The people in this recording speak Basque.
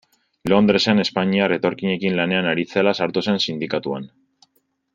Londresen espainiar etorkinekin lanean ari zela sartu zen sindikatuan.